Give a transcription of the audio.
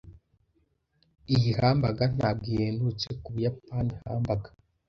Iyi hamburger ntabwo ihendutse kubuyapani hamburger.